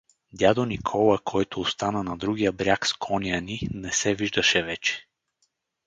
Дядо Никола, който остана на другия бряг с коня ни, не се виждаше вече.